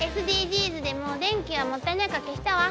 ＳＤＧｓでもう電気がもったいないから消したわ。